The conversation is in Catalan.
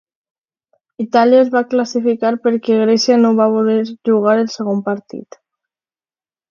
Itàlia es va classificar perquè Grècia no va voler jugar el segon partit.